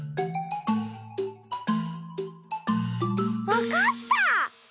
わかった！